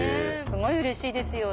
すごいうれしいですよ。